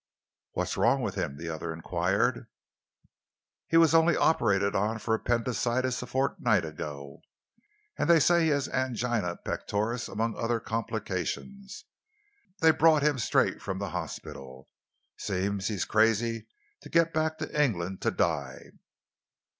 "What's wrong with him?" the other enquired. "He was only operated upon for appendicitis a fortnight ago, and they say that he has angina pectoris amongst other complications. They brought him straight from the hospital. Seems he's crazy to get back to England to die."